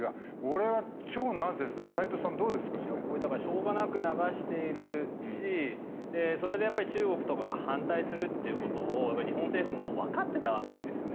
しょうがなく流しているしそれでやっぱり中国とかが反対するっていう事を日本政府もわかってたわけですよね。